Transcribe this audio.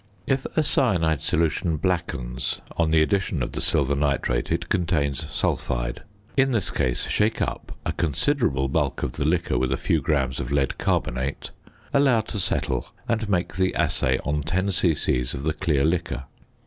If a cyanide solution blackens on the addition of the silver nitrate it contains sulphide. In this case, shake up a considerable bulk of the liquor with a few grams of lead carbonate, allow to settle and make the assay on 10 c.c. of the clear liquor.